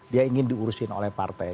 dia ingin diurusin oleh partai